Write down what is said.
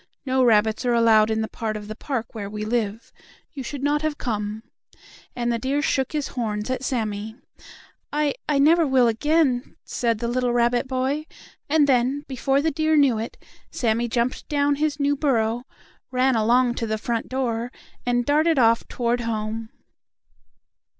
No rabbits are allowed in the part of the park where we live. You should not have come," and the deer shook his horns at Sammie. "I I never will again," said the little rabbit boy, and then, before the deer knew it, Sammie jumped down his new burrow, ran along to the front door, and darted off toward home.